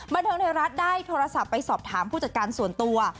บันเทิงไทยรัฐได้โทรศัพท์ไปสอบถามผู้จัดการส่วนตัว